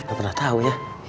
ga pernah tau ya